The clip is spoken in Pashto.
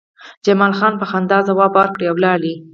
جمال خان په خندا ځواب ورکړ او لاړ